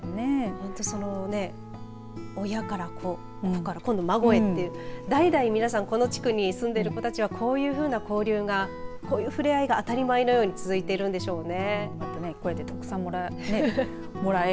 本当にその親から子子から孫へと代々この地区に住んでる子たちはこういうふうな交流がこういう触れ合いが当たり前のように続いているんでしょうね。